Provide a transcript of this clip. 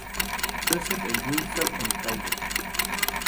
Joseph en Windsor, Ontario.